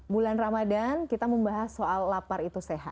bulan ramadan kita membahas soal lapar itu sehat